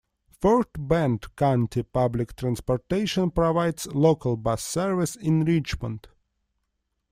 Fort Bend County Public Transportation provides local bus service in Richmond.